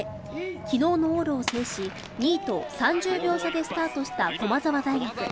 昨日の往路を制し２位と３０秒差でスタートした駒澤大学。